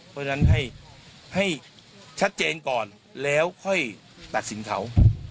เพราะฉะนั้นให้ชัดเจนก่อนแล้วค่อยตัดสินเขา